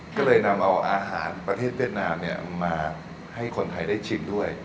ก็เลยนำเอาอาหารประเทศเวียดนามมาให้คนไทยได้ชิมด้วย